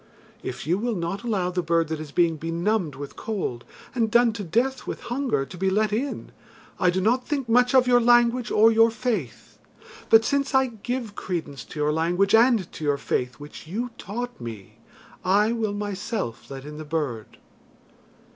If you will not allow the bird that is being benumbed with cold, and done to death with hunger, to be let in, I do not think much of your language or your faith. But since I give credence to your language and to your faith, which you taught me, I will myself let in the bird."